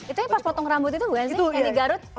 itu pas potong rambut itu bukan sih yang di garut